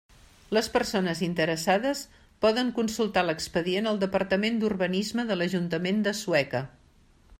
Les persones interessades poden consultar l'expedient al Departament d'Urbanisme de l'Ajuntament de Sueca.